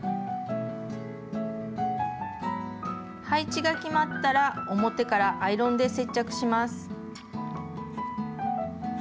配置が決まったら表からアイロンで接着します。